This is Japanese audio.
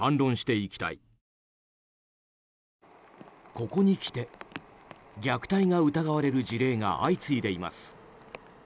ここにきて虐待が疑われる事例が相次いでいます。